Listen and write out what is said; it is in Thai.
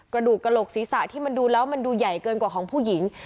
กระดูกกระโหลกศีรษะที่มันดูแล้วมันดูใหญ่เกินกว่าของผู้หญิง